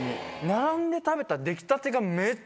並んで食べた。